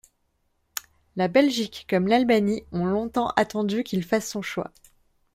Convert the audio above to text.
La Belgique comme l'Albanie ont longtemps attendu qu'il fasse son choix.